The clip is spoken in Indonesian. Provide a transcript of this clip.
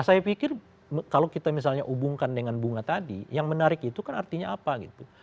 saya pikir kalau kita misalnya hubungkan dengan bunga tadi yang menarik itu kan artinya apa gitu